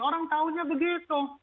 orang tahunya begitu